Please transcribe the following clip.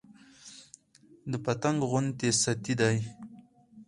د پتنګ غوندې ستي دى